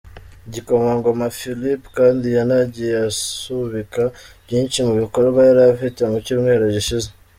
igikomangoma Philip kandi yanagiye asubika byinshi mu bikorwa yari afite mu cyumweru gishize.